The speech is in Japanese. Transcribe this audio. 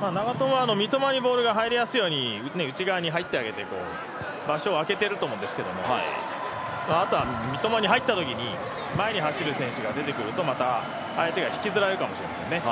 長友は三笘にボールが入りやすいように内側に入って場所を空けてると思うんですけど、あとは三笘に入ったときに前に走る選手が出てくると、また相手が引きずられるかもしれないですね。